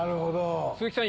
鈴木さん